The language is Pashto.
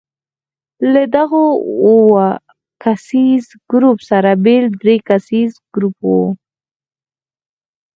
له دغو اووه کسیز ګروپ سره بل درې کسیز ګروپ وو.